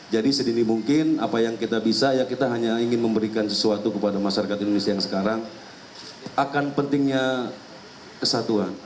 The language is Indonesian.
jadi sedini mungkin apa yang kita bisa ya kita hanya ingin memberikan sesuatu kepada masyarakat indonesia yang sekarang akan pentingnya kesatuan